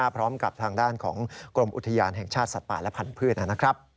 พร้อมกับทางด้านของกรมอุทยานแห่งชาติสัตว์ป่าและพันธุ์นะครับ